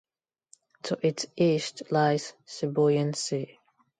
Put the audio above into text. To its east lies Sibuyan Sea.